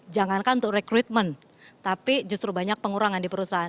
jangankan untuk rekrutmen tapi justru banyak pengurangan di perusahaan